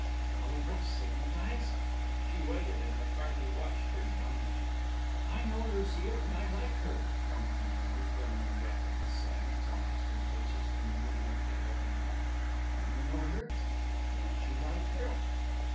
"All of which signifies?" She waited, and McCarthy watched her dumbly. "I know Lucile, and I like her," Frona continued, filling the gap of his silence, and ostentatiously manoeuvring to help him on. "Do you know her? Don't you like her?"